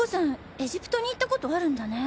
エジプトに行ったことあるんだね。